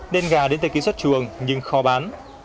đen gà đến từ ký xuất chuồng nhưng khó bán